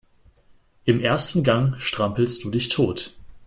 Im ersten Gang strampelst du dich tot.